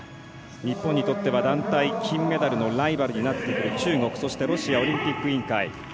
日本にとっては団体金メダルのライバルになってくるそしてロシアオリンピック委員会。